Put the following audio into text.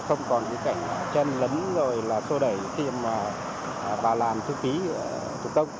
không còn cái cảnh chân lấn rồi là sô đẩy khi mà bà làm thu phí thủ công